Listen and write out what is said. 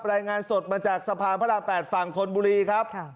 รายงานสดมาจากสะพานพระราม๘ฝั่งธนบุรีครับ